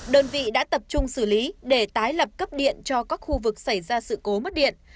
đơn vị đã tập trung xử lý để tái lập cấp điện cho các khu vực xảy ra sự cố mất điện